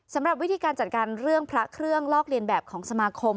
สำหรับวิธีการจัดการเรื่องพระเครื่องลอกเรียนแบบของสมาคม